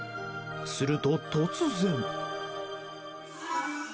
すると突然。